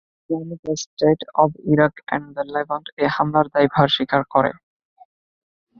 Islamic State of Iraq and the Levant এই হামলার দায়ভার স্বীকার করে।